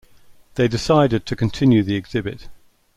They decided to continue the exhibit.